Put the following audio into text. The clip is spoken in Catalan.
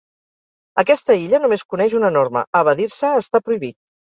Aquesta illa només coneix una norma: evadir-se està prohibit.